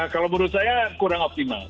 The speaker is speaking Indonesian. kalau menurut saya kurang optimal